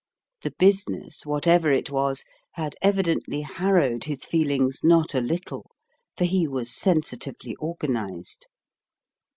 The business, whatever it was, had evidently harrowed his feelings not a little, for he was sensitively organised.